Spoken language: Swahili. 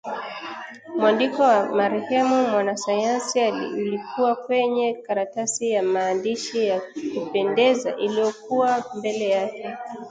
Mwandiko wa marehemu mwanasayansi ulikuwa kwenye karatasi ya maandishi ya kupendeza iliyokuwa mbele yake